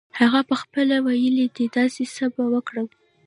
هغه پخپله ویلې دي داسې څه به وکړم.